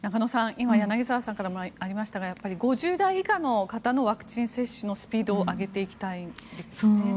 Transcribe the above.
今、柳澤さんからもありましたがやっぱり５０代以下の方のワクチン接種のスピードをそうですね。